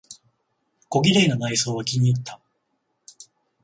小綺麗な内装は気にいった。